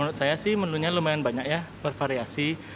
menurut saya sih menunya lumayan banyak ya bervariasi